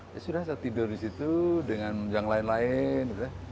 ya sudah saya tidur di situ dengan yang lain lain